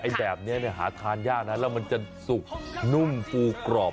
แบบนี้หาทานยากนะแล้วมันจะสุกนุ่มฟูกรอบ